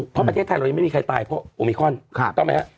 เพราะประเทศไทยเรายังไม่มีใครตายเพราะโอมิคอนถูกต้องไหมฮะ